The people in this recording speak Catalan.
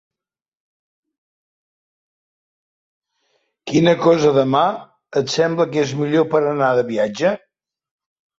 Quina cosa de mà et sembla que és millor per anar de viatge?